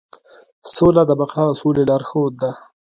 سوله د بقا او سولې لارښود ده.